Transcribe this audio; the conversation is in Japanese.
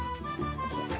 よいしょ。